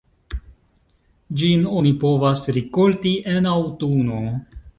Ĝin oni povas rikolti en aŭtuno.